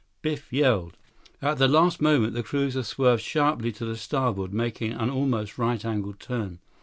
Biff yelled. 105 At the last moment, the cruiser swerved sharply to the starboard, making an almost right angle turn.